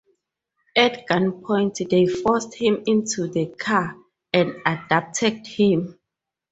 At gunpoint, they forced him into the car and abducted him.